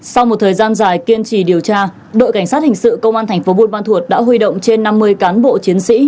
sau một thời gian dài kiên trì điều tra đội cảnh sát hình sự công an tp bun ban thuật đã huy động trên năm mươi cán bộ chiến sĩ